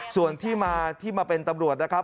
ส่วนที่มาที่มาเป็นตำรวจนะครับ